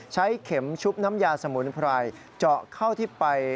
ใช้เข็มชุบน้ำยาสมุนไพร